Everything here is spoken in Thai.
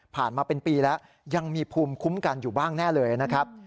มาเป็นปีแล้วยังมีภูมิคุ้มกันอยู่บ้างแน่เลยนะครับ